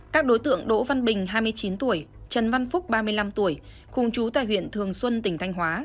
các đối tượng đỗ văn bình hai mươi chín tuổi trần văn phúc ba mươi năm tuổi cùng chú tại huyện thường xuân tỉnh thanh hóa